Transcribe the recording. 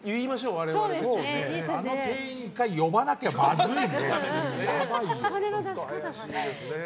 あの店員１回呼ばないとまずいね。